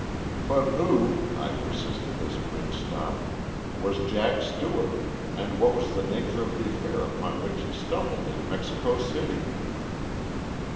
"But who," I persisted, as Quinn stopped, "was Jack Stewart and what was the nature of the affair upon which he stumbled in Mexico City?"